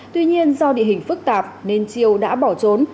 tuy nhiên do địa hình phức tạp nên triều đã bỏ trốn